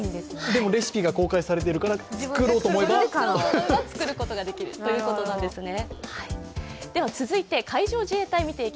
でもレシピが公開されてるから作ろうと思えば作ろうと思えば作れるということなんですね。